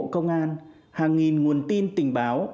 các bộ cơ yếu công an hàng nghìn nguồn tin tình báo